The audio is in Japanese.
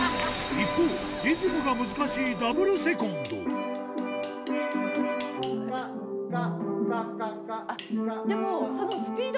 一方、リズムが難しいダブルセコンド。